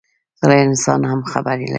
غلی انسان هم خبرې لري